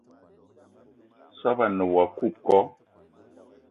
Soobo a ne woua coco